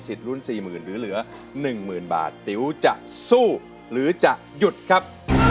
สี่หมื่นหรือเหลือหนึ่งหมื่นบาทติ๋วจะสู้หรือจะหยุดครับ